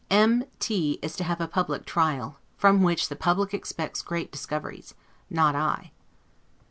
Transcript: M t is to have a public trial, from which the public expects great discoveries Not I.